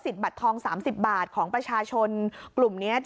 บัตรทอง๓๐บาทของประชาชนกลุ่มนี้